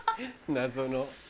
謎の。